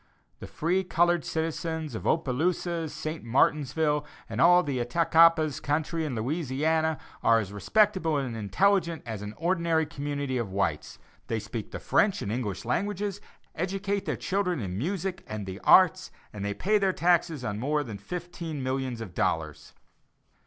The free colored citizens of Opelousas, St. Martinsville, and all the Attakapas country in Louisiana, are as respectable and intelligent as an ordinary community of whites. They speak the French and English languages, educate their children in music, and "the arts" and they pay their taxes on more than fifteen millions of dollars.